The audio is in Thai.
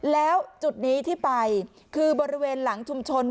แล้วจุดนี้ที่ไปคือบริเวณหลังชุมชน